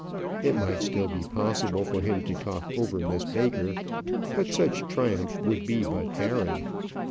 It might still be possible for him to talk over Miss Baker, but such triumph would be but barren.